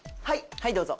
はいどうぞ。